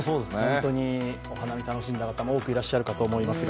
お花見楽しんだ方も多くいらっしゃると思いますが。